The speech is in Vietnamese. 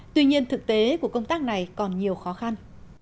tuy nhiên thực tế của công tác này còn nhiều khó khăn